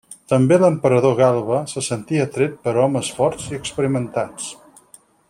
També l'emperador Galba se sentia atret per homes forts i experimentats.